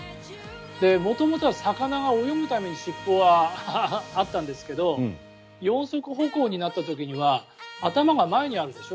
元々は、魚が泳ぐために尻尾はあったんですけど四足歩行になった時は頭が前にあるでしょ。